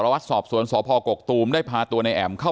ไม่มีไม่มีไม่มีไม่มี